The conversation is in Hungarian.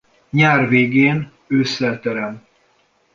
Nyár végén-ősszel terem.